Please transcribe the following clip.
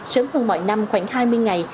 sớm hơn mọi năm khoảng hai mươi ngày